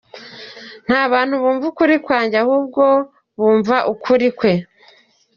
Nta bantu bumva ukuri kwanjye ahubwo bumva ukuri kwe.